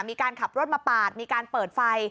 มีการขับรถมาปาดมีการเปิดไฟ